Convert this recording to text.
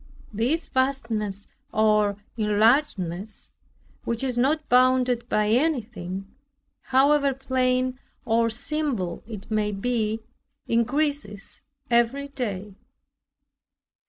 This vastness or enlargedness, which is not bounded by anything, however plain or simple it may be, increases every day.